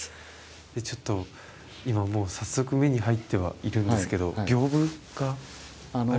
ちょっと今もう早速目に入ってはいるんですけど屏風が。